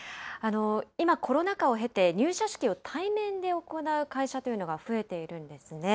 今、コロナ禍を経て、入社式を対面で行う会社というのが増えているんですね。